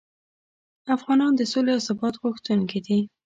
افغانان د سولې او ثبات غوښتونکي دي.